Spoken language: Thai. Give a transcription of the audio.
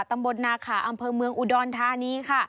ตำบลนาขาอำเภอเมืองอุดรธานีค่ะ